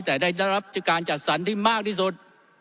แต่ได้รับการจัดสรรที่มากที่สุด